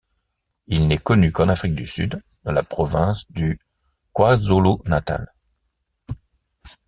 Il n'est connu qu'en Afrique du Sud dans la province du KwaZulu-Natal.